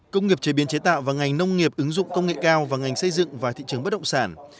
công nghiệp chế biến chế tạo và ngành nông nghiệp ứng dụng công nghệ cao và ngành xây dựng và thị trường bất động sản